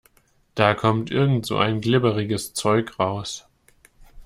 Da kommt irgend so ein glibberiges Zeug raus.